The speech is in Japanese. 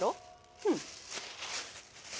うん。